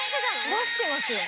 出してますよ。